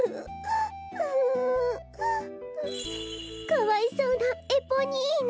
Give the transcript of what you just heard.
かわいそうなエポニーヌ。